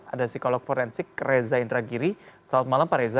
ada psikolog forensik reza indragiri selamat malam pak reza